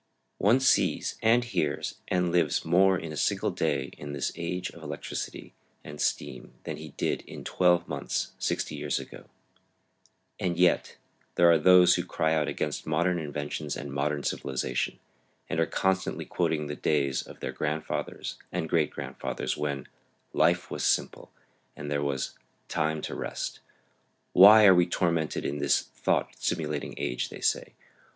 One sees, and hears, and lives more in a single day in this age of electricity and steam than he did in twelve months sixty years ago. And yet there are those who cry out against modern inventions and modern civilization, and are constantly quoting the days of their grandfathers and great grandfathers when "life was simple" and there was "time to rest." "Why are we tormented with this thought stimulating age?" they say.